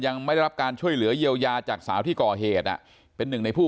ยังไม่ได้รับการช่วยเหลือเยียวยาจากสาวที่ก่อเหตุอ่ะเป็นหนึ่งในผู้